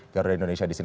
garuda indonesia di sini